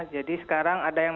jadi sekarang ada yang